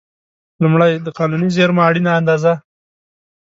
لومړی: د قانوني زېرمو اړینه اندازه.